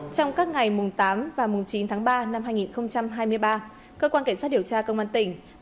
trong các ngày tám và chín tháng ba năm hai nghìn hai mươi ba cơ quan kỳ sát điều tra công an tỉnh